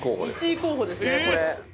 １位候補ですねこれ。